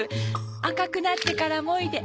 赤くなってからもいで。